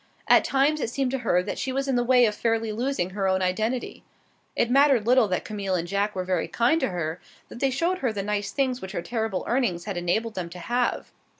At times it seemed to her that she was in the way of fairly losing her own identity. It mattered little that Camille and Jack were very kind to her, that they showed her the nice things which her terrible earnings had enabled them to have.